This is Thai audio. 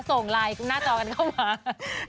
ส่งไลน์หน้าจอกันเข้ามา